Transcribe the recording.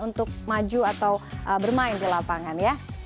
untuk maju atau bermain di lapangan ya